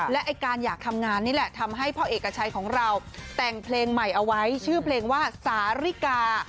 และการอยากทำงานนี่แหละทำให้พ่อเอกชัยของเราแต่งเพลงใหม่เอาไว้ชื่อเพลงว่าสาริกา